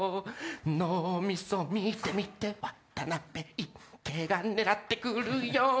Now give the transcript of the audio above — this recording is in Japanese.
脳みそ見て見て渡辺いっけいが狙ってくるよ